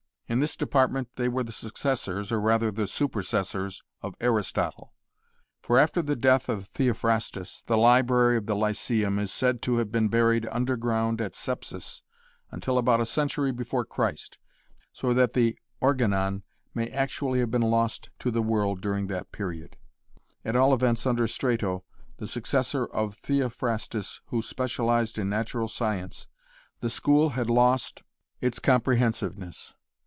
In this department they were the successors or rather the supersessors of Aristotle. For after the death of Theophrastus the library of the Lyceum is said to have been buried underground at Scepsis until about a century before Christ, So that the Organon may actually have been lost to the world during that period. At all events under Strato the successor of Theophrastus who specialized in natural science the school had lost its comprehensiveness.